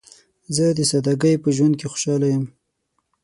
زه د سادګۍ په ژوند کې خوشحاله یم.